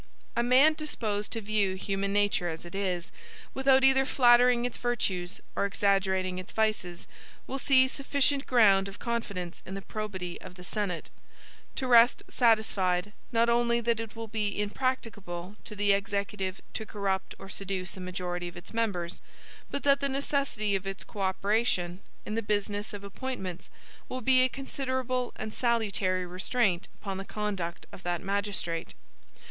A man disposed to view human nature as it is, without either flattering its virtues or exaggerating its vices, will see sufficient ground of confidence in the probity of the Senate, to rest satisfied, not only that it will be impracticable to the Executive to corrupt or seduce a majority of its members, but that the necessity of its co operation, in the business of appointments, will be a considerable and salutary restraint upon the conduct of that magistrate.